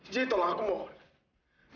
jadi tolong aku mohon